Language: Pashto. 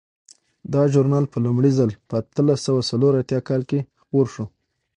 دا ژورنال په لومړي ځل په اتلس سوه څلور اتیا کال کې خپور شو.